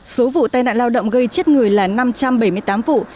số vụ tai nạn lao động gây chết người là năm trăm bảy mươi tám vụ